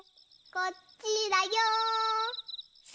・こっちだよ。・せの。